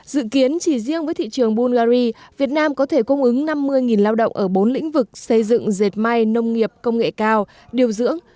dự kiến chỉ riêng với thị trường bungary việt nam có thể cung ứng năm mươi lao động ở bốn lĩnh vực xây dựng dệt may nông nghiệp công nghệ cao điều dưỡng